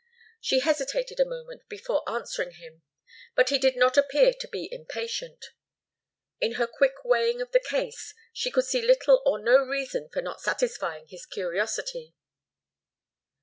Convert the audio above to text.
She hesitated a moment before answering him, but he did not appear to be impatient. In her quick weighing of the case, she could see little or no reason for not satisfying his curiosity.